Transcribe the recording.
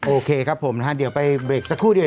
โอเคครับผมนะฮะเดี๋ยวไปเบรกสักครู่เดียว